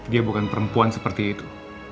dia bukan perempuan seperti itu